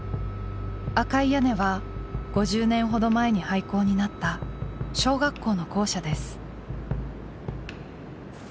赤い屋根は５０年ほど前に廃校になった小学校の校舎です。